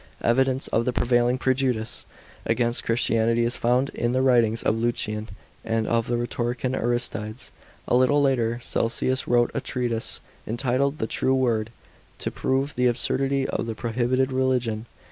Evidence of the prevailing prejudice against Christianity is found in the writings of Lucian, and of the rhetoricinn Aristides. A little later Celsus wrote a trea'ise, entitled the True Word, to prove the absurdity of the prohibited religion.